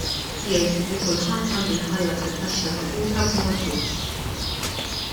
Jgħid li kulħadd għandu jħallas it-taxxa dovuta b'mod ġust.